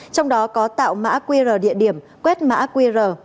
trong đó có tạo mã qr địa điểm quét mã qr